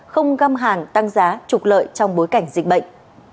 không găm hàng tăng giá trục lợi trong bối cảnh dịch bệnh